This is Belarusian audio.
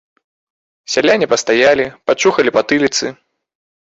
Сяляне пастаялі, пачухалі патыліцы.